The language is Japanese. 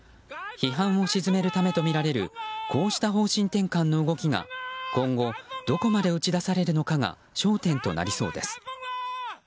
批判を鎮めるためとみられるこうした方針転換の動きが今後どこまで打ち出されるのかが焦点となりそうです。